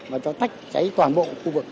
và cho tách cháy toàn bộ khu vực